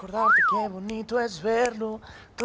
โอ้น่ารักมากเลย